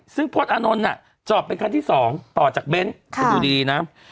ซึ่งพจน์อานนท์น่ะจอบเป็นคันที่สองต่อจากเบ้นท์ค่ะดูดีดีนะครับ